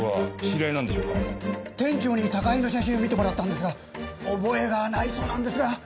店長に高井の写真を見てもらったんですが覚えがないそうなんですが。